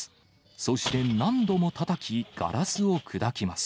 そして何度もたたき、ガラスを砕きます。